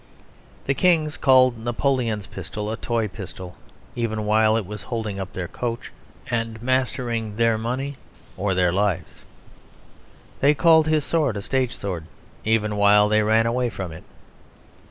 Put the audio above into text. The kings called Napoleon's pistol a toy pistol even while it was holding up their coach and mastering their money or their lives; they called his sword a stage sword even while they ran away from it.